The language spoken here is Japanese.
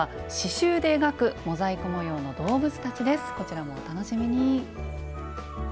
こちらもお楽しみに。